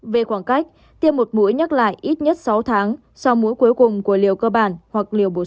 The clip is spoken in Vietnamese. về khoảng cách tiêm một mũi nhắc lại ít nhất sáu tháng sau mũi cuối cùng của liều cơ bản hoặc liều bốn